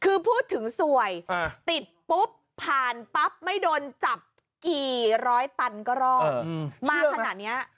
คือพูดถึงสวยติดปุ๊บผ่านปั๊บไม่โดนจับกี่ร้อยตันก็รอดมาขนาดนี้